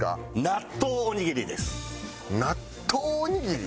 納豆おにぎり？